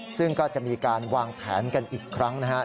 ซึ่งก็จะมีการวางแผนกันอีกครั้งนะครับ